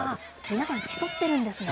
皆さん、競ってるんですね。